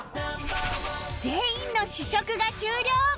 全員の試食が終了！